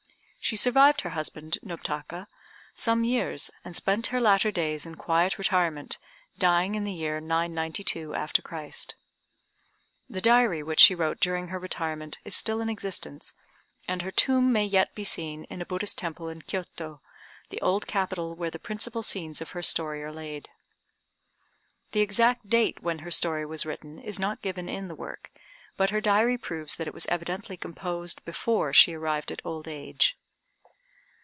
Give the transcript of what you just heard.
She survived her husband, Nobtaka, some years, and spent her latter days in quiet retirement, dying in the year 992 after Christ. The diary which she wrote during her retirement is still in existence, and her tomb may yet be seen in a Buddhist temple in Kiôto, the old capital where the principal scenes of her story are laid. The exact date when her story was written is not given in the work, but her diary proves that it was evidently composed before she arrived at old age.